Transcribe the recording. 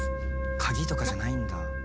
鍵とかじゃないんだ。